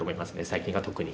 最近は特に。